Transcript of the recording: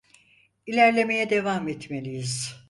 İlerlemeye devam etmeliyiz.